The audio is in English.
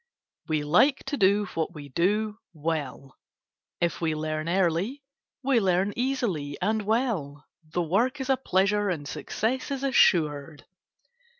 We like to do what we do well. If we learn early, we learn easily and well the work is a pleasure and success is assured.